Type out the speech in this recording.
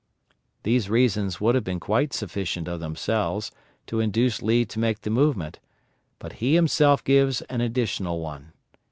These reasons would have been quite sufficient of themselves to induce Lee to make the movement, but he himself gives an additional one.